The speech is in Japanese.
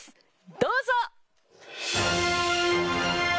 どうぞ。